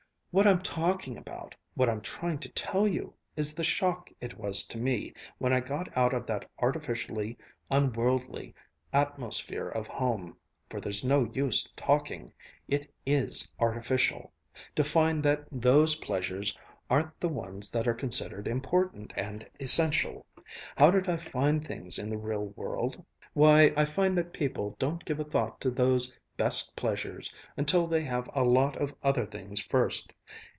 What I'm talking about what I'm trying to tell you, is the shock it was to me, when I got out of that artificially unworldly atmosphere of home for there's no use talking, it is artificial! to find that those pleasures aren't the ones that are considered important and essential. How did I find things in the real world? Why, I find that people don't give a thought to those 'best pleasures' until they have a lot of other things first.